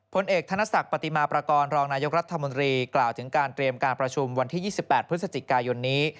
ผลเอกธนศักดิ์ปฏิมาประกอบรองนายกรัฐมนตรีกล่าวถึงการเตรียมการประชุมวันที่๒๘พฤศจิกายนนี้